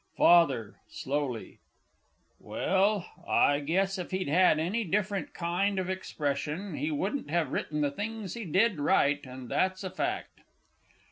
FATHER (slowly). Well, I guess if he'd had any different kind of expression, he wouldn't have written the things he did write, and that's a fact!